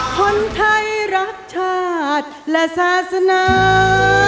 คนไทยรักชาติและศาสนา